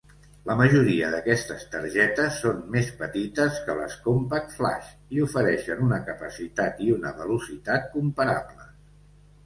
La majoria d'aquestes targetes són més petites que les CompactFlash i ofereixen una capacitat i una velocitat comparables.